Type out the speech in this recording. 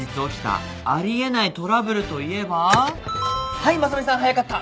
はい正海さん早かった。